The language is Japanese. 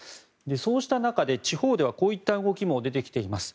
そうした中で地方ではこういった動きも出てきています。